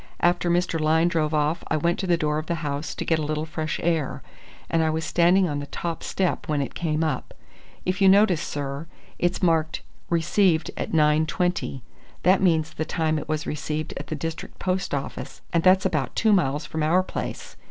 After Mr. Lyne drove off I went to the door of the house to get a little fresh air, and I was standing on the top step when it came up. If you notice, sir, it's marked 'received at 9.20' that means the time it was received at the District Post Office, and that's about two miles from our place.